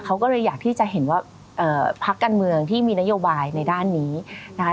เขาก็เลยอยากที่จะเห็นว่าพักการเมืองที่มีนโยบายในด้านนี้นะคะ